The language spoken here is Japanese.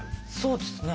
そうですね。